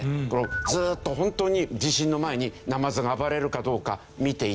ずーっと本当に地震の前にナマズが暴れるかどうか見ていた。